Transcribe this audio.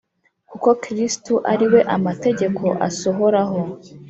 Kuko kristo ari we amategeko asohoraho